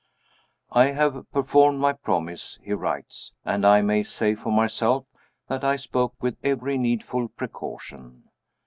"I have performed my promise," he writes "and I may say for myself that I spoke with every needful precaution.